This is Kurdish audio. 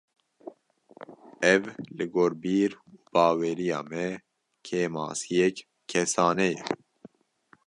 Ev li gor bîr û baweriya me, kêmasiyek kesane ye